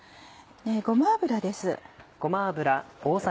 ごま油です。